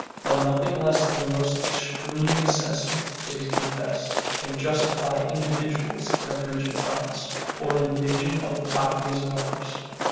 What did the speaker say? But nothing less than the most extreme necessity, it is confessed, can justify individuals in a breach of promise, or an invasion of the properties of others.